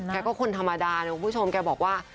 แกก็คนธรรมดานะคุณผู้ชมแกบอกว่า